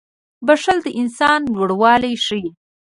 • بښل د انسان لوړوالی ښيي.